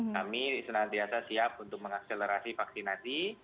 kami senantiasa siap untuk mengakselerasi vaksinasi